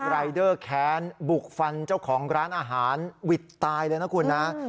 รายเดอร์แค้นบุกฟันเจ้าของร้านอาหารหวิดตายเลยนะคุณนะ